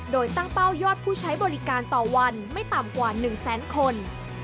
โดยตั้งเป้ายอดผู้ใช้บริการต่อวันไม่ต่ำกว่า๑แสนคน